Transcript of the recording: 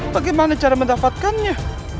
bagaimana cara mendapatkannya